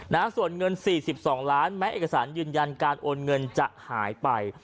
นะฮะส่วนเงิน๔๒ล้านแม้เอกสารยืนยันการโอนเงินจะหายไป